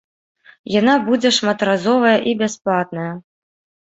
Яна будзе шматразовая і бясплатная.